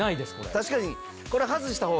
確かに。